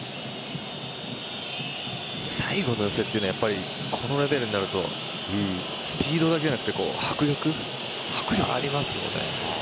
最後の寄せというのはこのレベルになるとスピードだけじゃなくて迫力がありますよね。